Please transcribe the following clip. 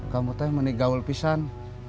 kamu teh menik gaul pisang